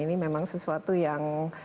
ini memang sesuatu yang